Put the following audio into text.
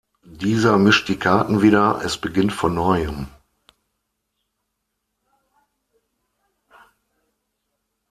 Dieser mischt die Karten wieder es beginnt von neuem.